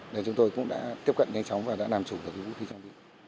nên chúng tôi cũng đã tiếp cận nhanh chóng